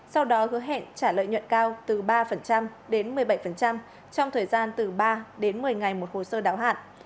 sau đó hứa hẹn trả lợi nhuận cao từ ba đến một mươi bảy trong thời gian từ ba đến một mươi ngày một hồ sơ đáo hạn